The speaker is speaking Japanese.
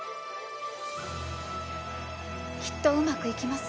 きっとうまくいきます。